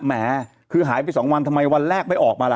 แหมคือหายไป๒วันทำไมวันแรกไม่ออกมาล่ะ